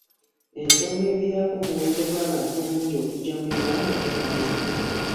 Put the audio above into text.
Ensoga eviirako omuwendo gw'abantu omungi okujja mu Uganda tennamanyibwa.